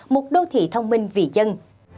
một đô thị thông minh vì dân